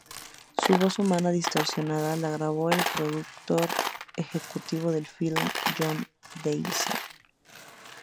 Su voz humana distorsionada la grabó el productor ejecutivo del filme, Jon Davison.